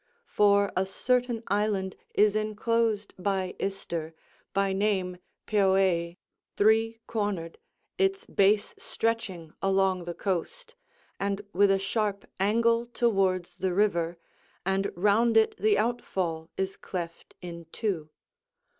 For a certain island is enclosed by Ister, by name Peuee, three cornered, its base stretching along the coast, and with a sharp angle towards the river; and round it the outfall is cleft in two.